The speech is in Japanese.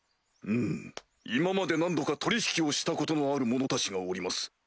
ん今まで何度か取引をしたことのある者たちがおります。